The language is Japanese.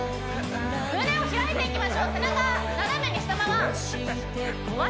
胸を開いていきましょう背中斜めにしたままえっ？